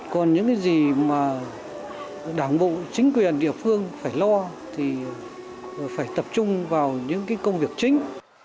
còn những cái gì mà đảng bộ chính quyền địa phương phải lo thì phải tập trung vào những công việc chính